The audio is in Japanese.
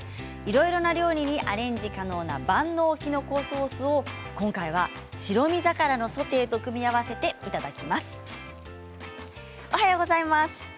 いろんな料理にアレンジ可能な万能きのこソースを今回は白身魚のソテーと組み合わせていただきます。